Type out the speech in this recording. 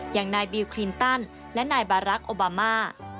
อย่างนายบิลคลินตันและนายบารักษ์โอบามา